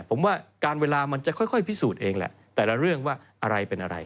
ผมว่าการเวลามันจะค่อยพิสูจน์เองแหละแต่ละเรื่องว่าอะไรเป็นอะไร